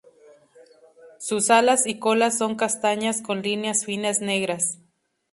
Sus alas y cola son castañas con líneas finas negras.